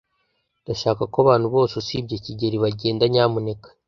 Ndashaka ko abantu bose usibye kigeli bagenda, nyamuneka.